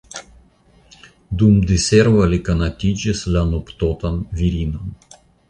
Dum diservo li konatiĝis la nuptotan virinon.